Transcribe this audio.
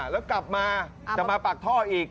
แล้วกลับมาจะมาปากท่ออีก